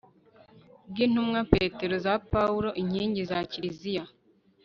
bw'intumwa petero na paulo inkingi za kiliziya